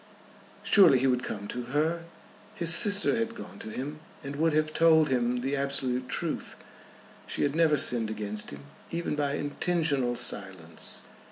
Surely he would come to her! His sister had gone to him, and would have told him the absolute truth. She had never sinned against him, even by intentional silence.